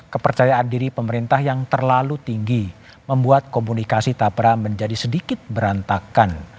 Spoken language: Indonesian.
kepercayaan diri pemerintah yang terlalu tinggi membuat komunikasi tabra menjadi sedikit berantakan